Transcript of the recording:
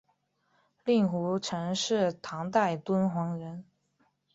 令狐澄是唐代敦煌人。